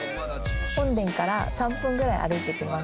本殿から３分ぐらい歩いていきます。